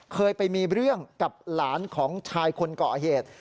เคยไปมีเรื่องกับหลานของชายคนเกาะเหตุ